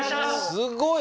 すごい！